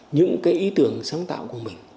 những cái ý tưởng sáng tạo của mình